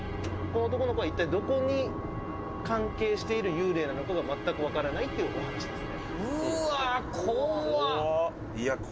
この男の子はどこに関係している幽霊なのか全く分からないというお話です。